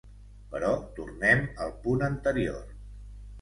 Però tornem al punt anterior.